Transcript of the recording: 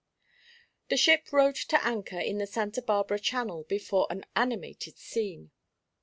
The ship rode to anchor in the Santa Barbara channel before an animated scene.